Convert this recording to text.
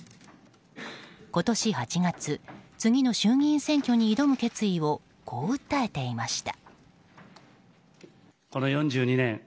今年８月次の衆議院選挙に挑む決意をこう訴えていました。